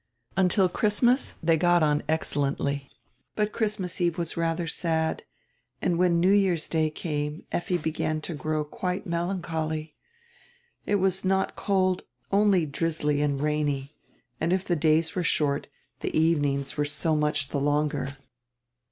Until Christmas they got on excellently, but Christmas eve was rather sad and when New Year's Day came Effi began to grow quite melancholy. It was not cold, only grizzly and rainy, and if the days were short, the evenings were so much the longer.